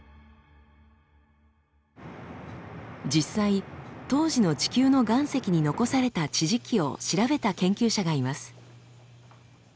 実際当時の地球の岩石に残された地磁気を調べた研究者がいます。